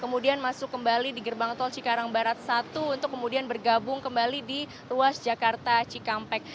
kemudian masuk kembali di gerbang tol cikarang barat satu untuk kemudian bergabung kembali di ruas jakarta cikampek